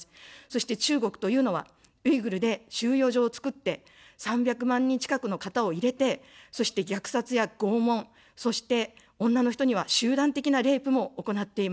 そして中国というのは、ウイグルで収容所を造って、３００万人近くの方を入れて、そして虐殺や拷問、そして女の人には集団的なレイプも行っています。